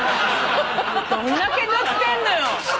どんだけ塗ってんのよ！